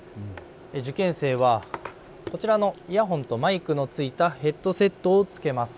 受験生はこちらのイヤホンとマイクの付いたヘッドセットを着けます。